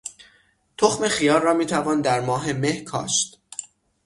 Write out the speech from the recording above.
تخم خیار را میتوان در ماه مه کاشت.